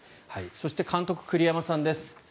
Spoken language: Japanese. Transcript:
そして監督、栗山さんです。